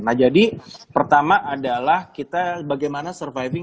nah jadi pertama adalah kita bagaimana surviving